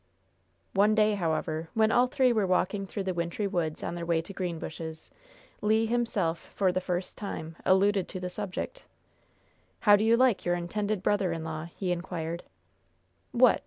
One day, however, when all three were walking through the wintry woods on their way to Greenbushes, Le himself, for the first time, alluded to the subject. "How do you like your intended brother in law?" he inquired. "What!